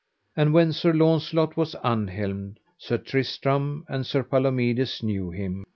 And when Sir Launcelot was unhelmed, Sir Tristram and Sir Palomides knew him.